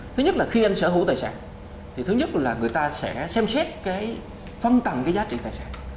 thứ nhất là khi anh sở hữu tài sản thì thứ nhất là người ta sẽ xem xét cái phân tầng cái giá trị tài sản